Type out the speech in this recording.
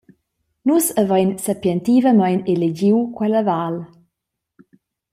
Nus havein sapientivamein elegiu quella val.